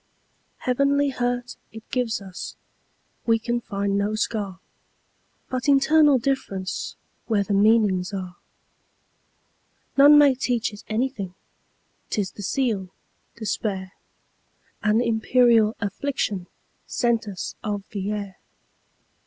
Heavenly hurt it gives us; We can find no scar, But internal differenceWhere the meanings are. None may teach it anything,'T is the seal, despair,—An imperial afflictionSent us of the air.